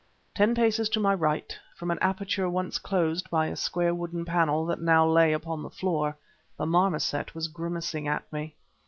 Ten paces on my right, from an aperture once closed by a square wooden panel that now lay upon the floor, the marmoset was grimacing at me.